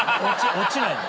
落ちないの？